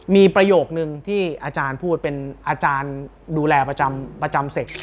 มีประโยคนึงที่อาจารย์พูดเป็นอาจารย์ดูแลประจำเสร็จ